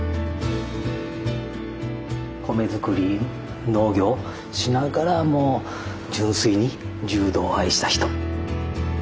米づくり農業しながらも純粋に柔道を愛した人。